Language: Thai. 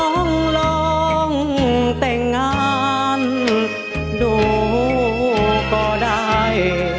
ลองลองแต่งงานดูก็ได้